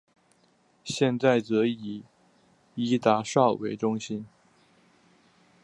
现在则以伊达邵为中心。